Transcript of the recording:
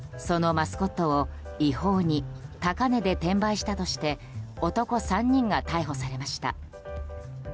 そのマスコットを違法に高値で転売したとして男３人が逮捕されました。